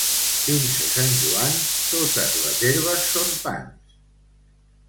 Fins a Sant Joan, totes les herbes són pans.